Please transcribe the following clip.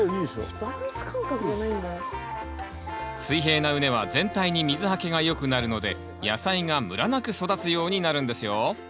水平な畝は全体に水はけがよくなるので野菜がむらなく育つようになるんですよ